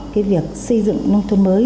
cái việc xây dựng nông thuận mới